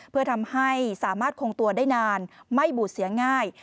เพื่อทำให้สามารถคงตัวได้นานไม่บูดเสียง่าย